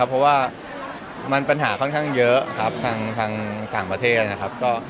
แสวได้ไงของเราก็เชียนนักอยู่ค่ะเป็นผู้ร่วมงานที่ดีมาก